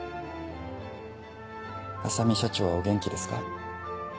浅海社長はお元気ですか？